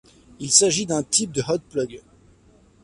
Il s'agit d'un type de Hot-Plug.